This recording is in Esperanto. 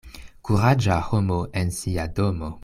Kuraĝa homo en sia domo.